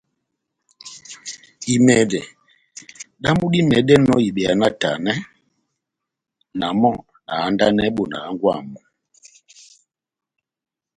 Imɛdɛ damu dímɛdɛnɔ ibeya náhtanɛ, na mɔ́ na handanɛhɛ bona hángwɛ bámu.